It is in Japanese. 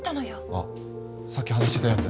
あさっき話してたやつ？